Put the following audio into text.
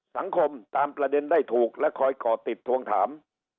สังคมตามประเด็นได้ถูกและคอยก่อติดทวงถาม